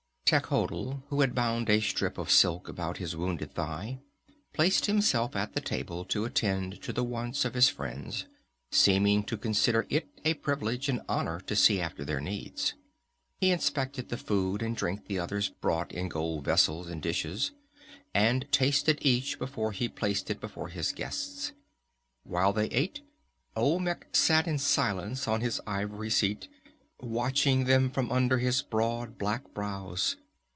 Techotl, who had bound a strip of silk about his wounded thigh, placed himself at the table to attend to the wants of his friends, seeming to consider it a privilege and honor to see after their needs. He inspected the food and drink the others brought in gold vessels and dishes, and tasted each before he placed it before his guests. While they ate, Olmec sat in silence on his ivory seat, watching them from under his broad black brows.